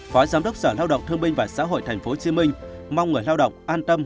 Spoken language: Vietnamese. phó giám đốc sở lao động thương binh và xã hội tp hcm mong người lao động an tâm